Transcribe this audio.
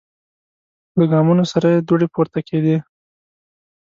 له ګامونو سره یې دوړې پورته کیدې.